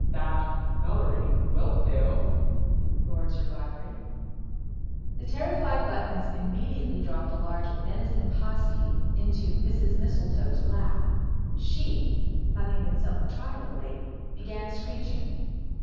"That celery, Whelpdale!" roared Sir Godfrey. The terrified Buttons immediately dropped a large venison pasty into Mrs. Mistletoe's lap. She, having been somewhat tried of late, began screeching.